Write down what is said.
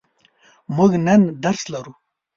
موږ نن درس لرو.